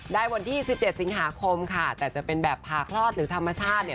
ได้วันที่๑๗สิงหาคมแต่จะเป็นแบบพาคลอดหรือธรรมชาติ